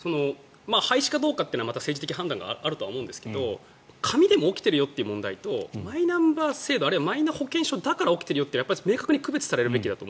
廃止かどうかというのは政治的判断があると思うんですが紙でも起きているという問題とマイナンバー制度あるいはマイナ保険証だから起きているものは明確に区別されるべきだと。